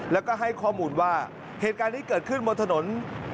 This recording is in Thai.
แล้วก็ให้ข้อมูลว่าเหตุการณ์นี้เกิดขึ้นบนถนน